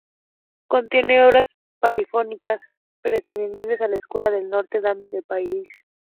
Contiene obras polifónicas pertenecientes a la Escuela de Notre Dame de París.